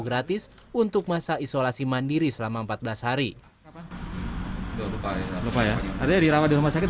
gratis untuk masa isolasi mandiri selama empat belas hari lupa ya ada yang dirawat di rumah sakit